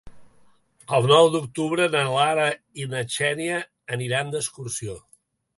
El nou d'octubre na Lara i na Xènia aniran d'excursió.